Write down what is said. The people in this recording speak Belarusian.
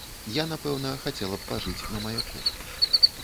Я, напэўна, хацела б пажыць на маяку.